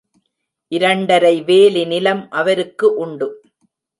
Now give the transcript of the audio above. இரண்டரை வேலி நிலம் அவருக்கு உண்டு.